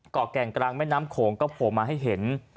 แก่งกลางแม่น้ำโขงก็โผล่มาให้เห็น